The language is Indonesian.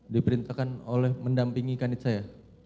diperintahkan oleh mendampingi kanit saya